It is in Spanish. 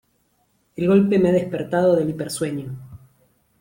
El golpe me ha despertado del hipersueño.